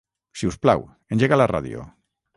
Si us plau, engega la ràdio.